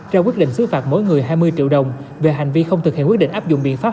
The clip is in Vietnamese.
ra quyết định xứ phạt mỗi người hai mươi triệu đồng về hành vi không thực hiện quyết định áp dụng biện pháp